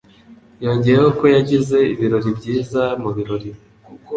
Yongeyeho ko yagize ibihe byiza mu birori.